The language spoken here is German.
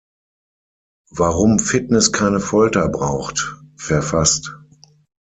Warum Fitness keine Folter braucht" verfasst.